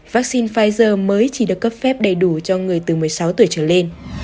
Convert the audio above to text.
vắc xin pfizer mới chỉ được cấp phép đầy đủ cho người từ một mươi sáu tuổi trở lên